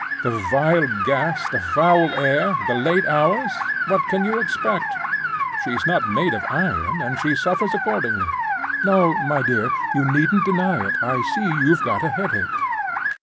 The vile gas, the foul air, the late hours—what can you expect? She's not made of iron, and she suffers accordingly. No, my dear, you needn't deny it. I see you've got a headache."